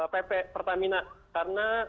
pp pertamina karena